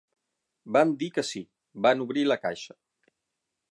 Van dir que sí; van obrir la caixa